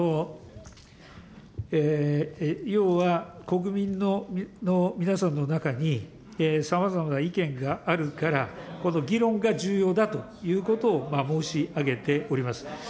要は、国民の皆さんの中に、さまざまな意見があるから、この議論が重要だということを申し上げております。